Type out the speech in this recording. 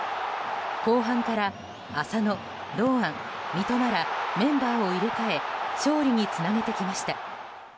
後半から浅野、堂安、三笘らメンバーを入れ替え勝利につなげてきました。